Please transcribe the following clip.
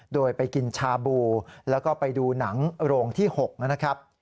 โดยไปกินชาบูแล้วก็ไปดูหนังโรงที่๖นะครับ